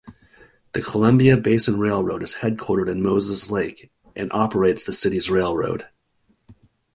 The Columbia Basin Railroad is headquartered in Moses Lake and operates the city's railroad.